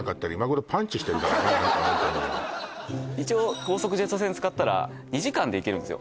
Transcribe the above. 一応高速ジェット船使ったら２時間で行けるんですよ